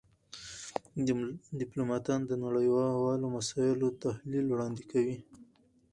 ډيپلومات د نړېوالو مسایلو تحلیل وړاندې کوي.